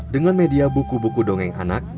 dengan media buku buku dongeng anak